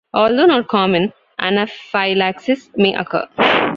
Although not common, anaphylaxis may occur.